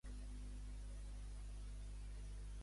Què van valorar la Croix, Télérama i Figaro?